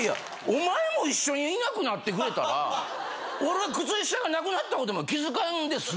お前も一緒にいなくなってくれたら俺は靴下がなくなったことも気付かんで済んだかもしれない。